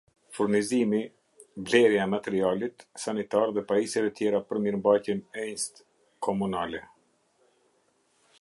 furnizimi -blerja e e materialit sanitar dhe paisjeve tjera për mirëmbajtjen e inst. komunale